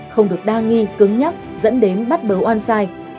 không được đa nghi cứng nhắc dẫn đến bắt bớ oan sai